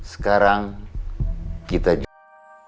sekarang kita jual